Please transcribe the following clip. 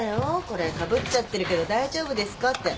これかぶっちゃってるけど大丈夫ですかって。